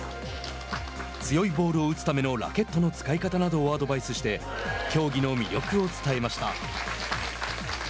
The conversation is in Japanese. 強いボールを打つためのラケットの使い方などをアドバイスして競技の魅力を伝えました。